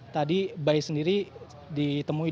tadi baik sendiri ditemui